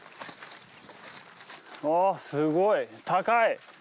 あすごい！高い！